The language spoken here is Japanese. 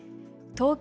東京